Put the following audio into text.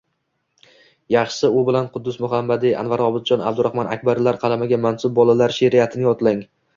Yaxshisi u bilan Quddus Muhammadiy, Anvar Obidjon, Abdurahmon Akbarlar qalamiga mansub bolalar sheʼriyatini yodlang.